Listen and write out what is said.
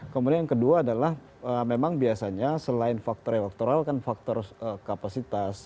kemudian yang kedua adalah memang biasanya selain faktor elektoral kan faktor kapasitas